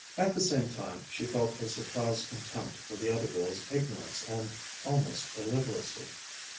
At the same time she felt a surprised contempt for the other girl's ignorance and almost illiteracy.